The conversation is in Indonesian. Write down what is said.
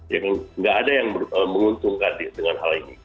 tidak ada yang menguntungkan dengan hal ini